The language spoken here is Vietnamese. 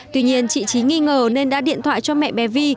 tuy nhiên chị trí nghi ngờ nên đã điện thoại cho mẹ bé vi